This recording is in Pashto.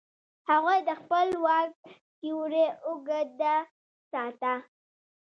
هغوی د خپل واک سیوری اوږده ساته.